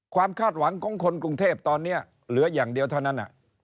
คาดหวังของคนกรุงเทพตอนนี้เหลืออย่างเดียวเท่านั้น